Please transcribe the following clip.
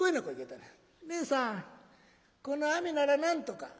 「ねえさんこの雨ならなんとか」。